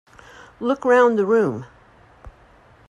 Look round the room.